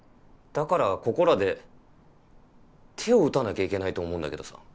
だからここらで手を打たなきゃいけないと思うんだけどさ。